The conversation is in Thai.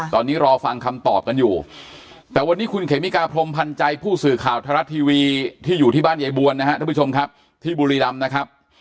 ตอนนี้รอฟังคำตอบกันอยู่แต่วันนี้คุณเขมิกาพรมพันธ์ใจผู้สื่อข่าวไทยรัฐทีวีที่อยู่ที่บ้านยายบวนนะฮะท่านผู้ชมครับที่บุรีรำนะครับ